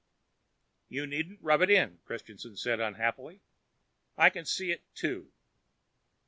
"You needn't rub it in," Christianson said unhappily. "I can see it, too."